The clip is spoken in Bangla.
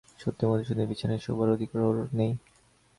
সত্যই মধুসূদনের বিছানায় শোবার অধিকার ওর নেই।